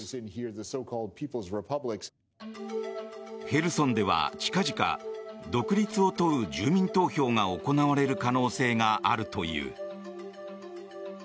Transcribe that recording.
ヘルソンでは近々独立を問う住民投票が行われる可能性があるという。